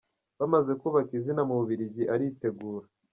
Bamaze kubaka izina mu Bubiligi aritegura.